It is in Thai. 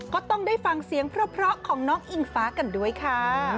ก็ต้องได้ฟังเสียงเพราะของน้องอิงฟ้ากันด้วยค่ะ